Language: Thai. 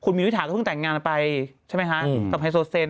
มิวนิถาก็เพิ่งแต่งงานไปใช่ไหมคะกับไฮโซเซน